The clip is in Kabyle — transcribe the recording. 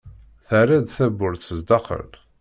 Terriḍ-d tawwurt sdaxel.